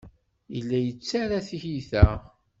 Yella yettarra tiyita.